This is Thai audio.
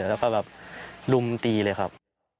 แล้วก็แบบรุมตีเลยครับ